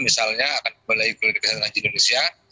misalnya akan kembali ke klinik kesehatan haji indonesia